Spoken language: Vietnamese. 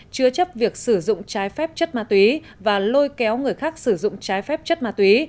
chứa chấp việc sử dụng trái phép chất ma túy và lôi kéo người khác sử dụng trái phép chất ma túy